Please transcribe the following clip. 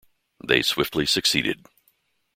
They swiftly succeeded.